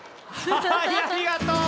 ありがとう！